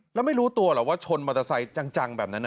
แล้วไม่รู้ตัวหรอกว่าชนมอเตอร์ไซค์จังแบบนั้น